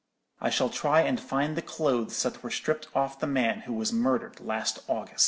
I shall try and find the clothes that were stripped off the man who was murdered last August!'"